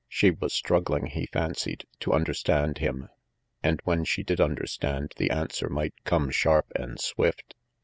She was struggling, he fancied, to understand him; and when she did understand, the answer might come sharp and swift.